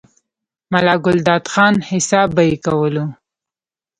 ملا ګلداد خان، حساب به ئې کولو،